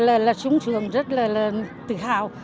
rất là trung trường rất là tự hào